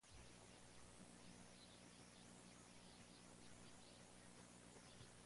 El equipo mostró su apoyo a la corredora y tachó el positivo de negligencia.